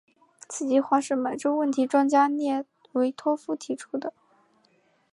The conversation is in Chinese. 此计划是满洲问题专家列维托夫提出的。